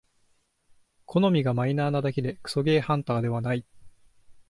好みがマイナーなだけでクソゲーハンターではない